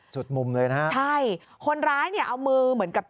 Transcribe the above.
สุดมุมเลยนะครับใช่คนร้ายเอามือเหมือนกับ